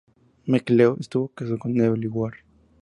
McLeod estuvo casado con Evelyn Ward.